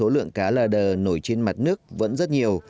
lượng cá là đờ nổi trên mặt nước vẫn rất nhiều